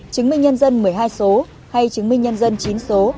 chứng minh nhân dân một mươi hai số hay chứng minh nhân dân chín số